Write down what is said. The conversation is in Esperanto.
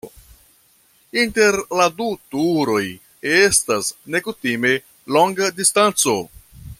Inter la du turoj estas nekutime longa distanco.